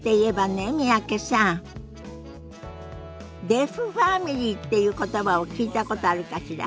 「デフファミリー」っていう言葉を聞いたことあるかしら？